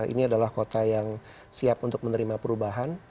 ini adalah kota yang siap untuk menerima perubahan